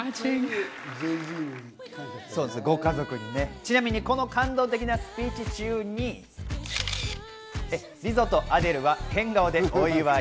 ちなみに、この感動的なスピーチ中にリゾとアデルは変顔でお祝い。